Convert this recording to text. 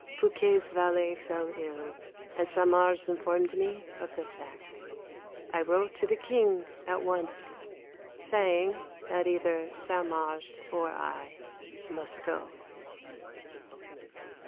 Fouquet's valet fell ill, and Saint Mars informed me of the fact. I wrote to the King at once saying that either Saint Mars or I must go.